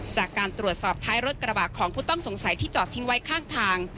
จากการตรวจสอบท้ายรถกระบะของผู้ต้องสงสัยที่จอดทิ้งไว้ข้างทาง